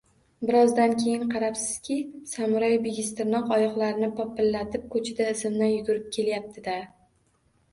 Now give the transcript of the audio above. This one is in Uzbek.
Birozdan keyin qarabsizki, “Samuray” bigiztirnoq oyoqlarini popillatib, ko‘chada izimdan yugurib ketyapti-da